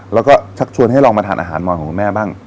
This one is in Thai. แล้วก็ชักชวนให้ลองมาทานอาหารมอนของคุณแม่บ้าง